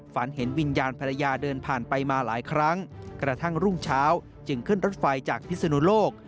ฝันเห็นวิญญาณภรรยาเดินผ่านไปมาหลายครั้งกระทั่งรุ่งเช้าจึงขึ้นรถไฟจากพิศนุโลก